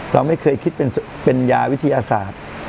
เราไม่เคยคิดเป็นยาวิทยาศาสตร์